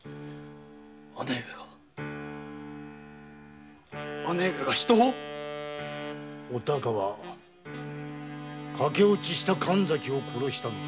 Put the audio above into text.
姉上が⁉姉上が人を⁉お孝は駆け落ちした神崎を殺したのだ。